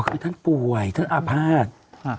อ๋อคือท่านป่วยท่านอาภาษณ์